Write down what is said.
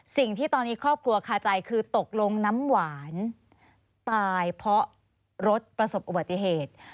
สิ่งที่ตอนนี้ครอบครัวคาใจคือตกลงน้ำหวานตายเพราะรถประสบอุบัติเหตุ